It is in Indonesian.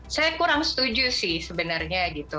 saya kurang setuju sih sebenarnya gitu